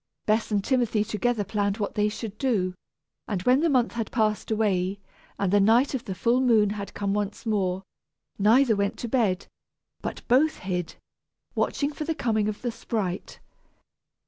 Bess and Timothy together planned what they should do, and when the month had passed away, and the night of the full moon had come once more, neither went to bed, but both hid, watching for the coming of the sprite.